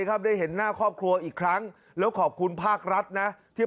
ครับได้เห็นหน้าครอบครัวอีกครั้งแล้วขอบคุณภาครัฐนะที่